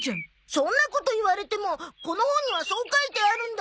そんなこと言われてもこの本にはそう書いてあるんだよ。